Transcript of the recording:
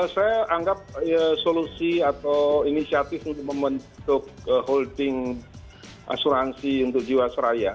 saya anggap solusi atau inisiatif untuk membentuk holding asuransi untuk jiwasraya